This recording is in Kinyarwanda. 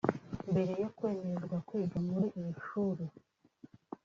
Mbere yo kwemererwa kwiga muri iri shuri